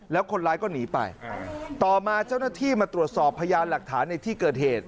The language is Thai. แล้วคนร้ายก็หนีไปต่อมาเจ้าหน้าที่มาตรวจสอบพยานหลักฐานในที่เกิดเหตุ